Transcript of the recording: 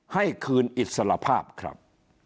ให้คืนอิสระภาพครับ